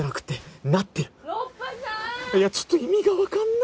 いやちょっと意味が分かんない。